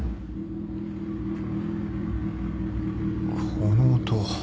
・この音。